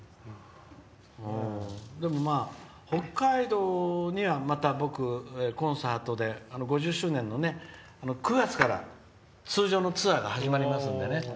北海道にはまた、僕、コンサートで５０周年の、９月から通常のツアーが始まりますので。